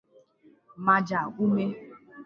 Maja Umeh